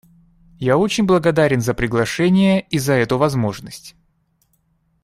Я очень благодарен за приглашение и за эту возможность.